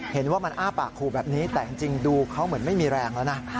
เห็นว่ามันอ้าปากขู่แบบนี้แต่จริงดูเขาเหมือนไม่มีแรงแล้วนะ